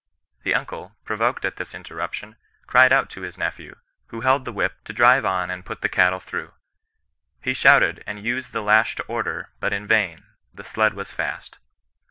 The uncle, provoked at this interrup tion, cried out to his nephew, who held the whip, to drive on and put the cattle through. He shouted, and used the lash to order, but in vain, the sled was fast.